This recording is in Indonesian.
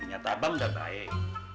nyata abang udah baik